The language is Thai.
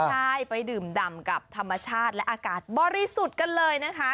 ใช่ไปดื่มดำกับธรรมชาติและอากาศบริสุทธิ์กันเลยนะคะ